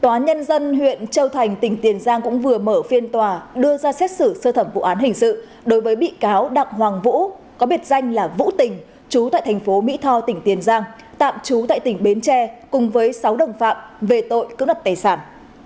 tòa nhân dân huyện châu thành tỉnh tiền giang cũng vừa mở phiên tòa đưa ra xét xử sơ thẩm vụ án hình sự đối với bị cáo đặng hoàng vũ có biệt danh là vũ tình chú tại thành phố mỹ tho tỉnh tiền giang tạm trú tại tỉnh bến tre cùng với sáu đồng phạm về tội cưỡng đặt tài sản